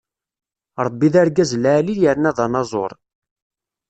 Ṛebbi d argaz lɛali yerna d anaẓur.